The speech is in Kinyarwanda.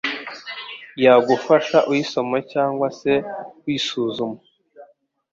yagufasha uyisoma cyangwa se wisuzuma